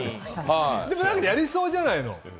でも何かやりそうじゃないの？